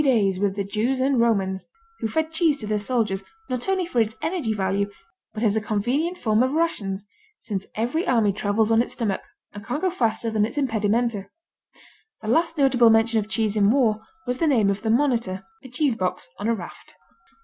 days with the Jews and Romans, who fed cheese to their soldiers not only for its energy value but as a convenient form of rations, since every army travels on its stomach and can't go faster than its impedimenta. The last notable mention of cheese in war was the name of the Monitor: "A cheese box on a raft."